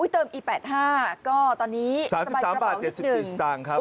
เติมอีก๘๕ก็ตอนนี้สบาย๓บาท๗๑สตางค์ครับ